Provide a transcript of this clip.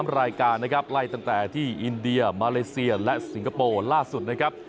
๓รายการไล่ตั้งแต่ที่อินเดียมาเลเซียและสิงคโปร์ล่าสุด